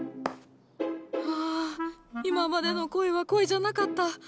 はあ今までの恋は恋じゃなかった！